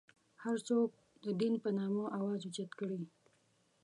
هر څوک د دین په نامه اواز اوچت کړي.